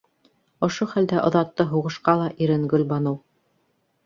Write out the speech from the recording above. Ошо хәлдә оҙатты һуғышҡа ла ирен Гөлбаныу.